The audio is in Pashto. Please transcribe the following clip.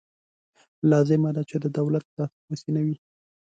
لازمه ده چې د دولت لاسپوڅې نه وي.